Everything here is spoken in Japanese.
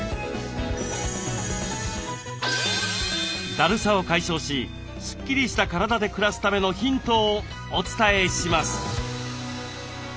だるさを解消しスッキリした体で暮らすためのヒントをお伝えします。